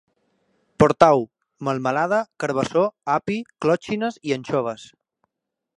Portau melmelada, carbassó, api, clòtxines i anxoves